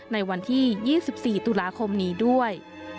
ในวันที่๒๔ตุลาคมนี้ด้วย